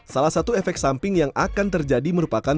salah satu efek samping yang akan terjadi merupakan